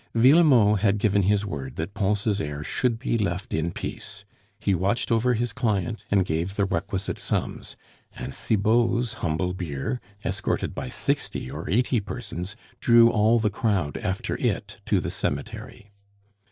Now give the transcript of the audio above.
Villemot had given his word that Pons' heir should be left in peace; he watched over his client, and gave the requisite sums; and Cibot's humble bier, escorted by sixty or eighty persons, drew all the crowd after it to the cemetery.